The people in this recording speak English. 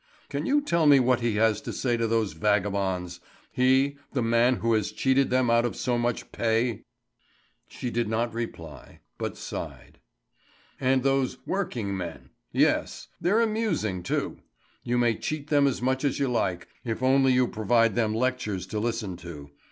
Can you tell me what he has to say to those vagabonds he, the man who has cheated them out of so much pay?" She did not reply, but sighed. "And those 'working men' yes. They're amusing too. You may cheat them as much as you like, if only you provide them lectures to listen to.